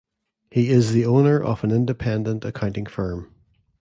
He is the owner of an independent accounting firm.